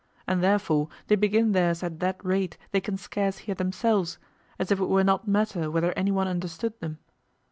And therefore they begin theirs at that rate they can scarce hear themselves, as if it were not matter whether anyone understood them.